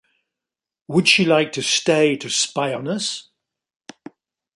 Would she like to stay to spy on us?